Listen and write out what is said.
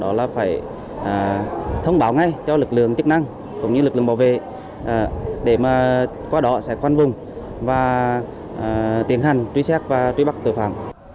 đó là phải thông báo ngay cho lực lượng chức năng cũng như lực lượng bảo vệ để mà qua đó sẽ quan vùng và tiến hành túi sách và túi bắt tội phạm